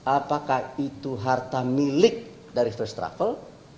apakah itu harta milik dari first travel